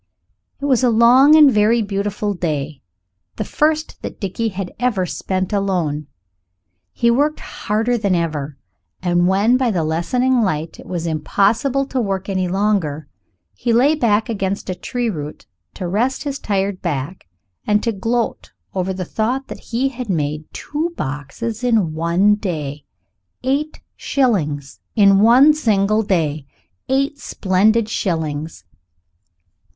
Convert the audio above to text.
It was a long and very beautiful day, the first that Dickie had ever spent alone. He worked harder than ever, and when by the lessening light it was impossible to work any longer, he lay back against a tree root to rest his tired back and to gloat over the thought that he had made two boxes in one day eight shillings in one single day, eight splendid shillings.